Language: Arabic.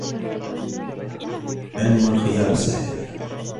علم الخيار الصحيح.